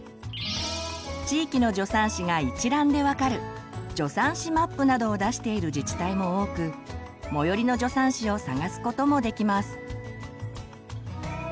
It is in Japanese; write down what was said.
地域の助産師が一覧で分かる「助産師マップ」などを出している自治体も多く最寄りの助産師を探すこともできます。